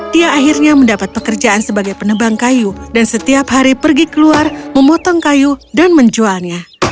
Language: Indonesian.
dia akhirnya mendapat pekerjaan sebagai penebang kayu dan setiap hari pergi keluar memotong kayu dan menjualnya